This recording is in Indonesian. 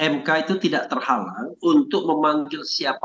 mk itu tidak terhalang untuk memanggil siapa